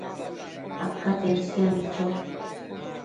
acaten siadnu cho